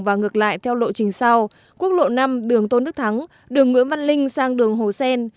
và ngược lại theo lộ trình sau quốc lộ năm đường tôn đức thắng đường nguyễn văn linh sang đường hồ sen